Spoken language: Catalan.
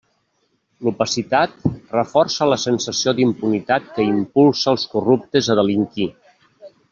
L'opacitat reforça la sensació d'impunitat que impulsa els corruptes a delinquir.